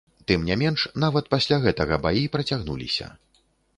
Тым не менш, нават пасля гэтага баі працягнуліся.